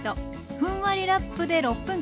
ふんわりラップで６分間。